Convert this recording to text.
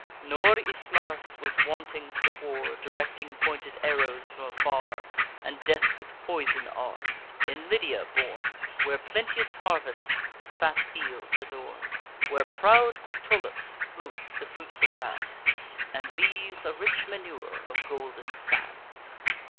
Nor Ismarus was wanting to the war, Directing pointed arrows from afar, And death with poison arm'd—in Lydia born, Where plenteous harvests the fat fields adorn; Where proud Pactolus floats the fruitful lands, And leaves a rich manure of golden sands.